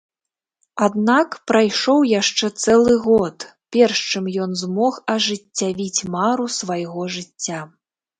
Аднак прайшоў яшчэ цэлы год, перш чым ён змог ажыццявіць мару свайго жыцця.